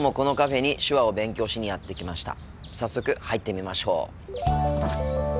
早速入ってみましょう。